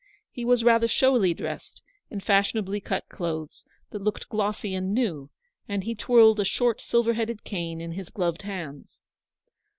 He was rather showily dressed, in fashionably cut clothes, that looked glossy and new, and he twirled a short silver headed cane in his gloved hands.